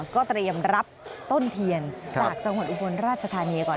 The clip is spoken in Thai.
ก็เตรียมรับต้นเทียนจากจังหวัดอุบลราชธานีก่อน